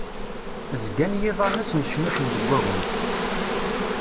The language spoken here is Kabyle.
Zgan yiḍan-a snecnucen deg agnes.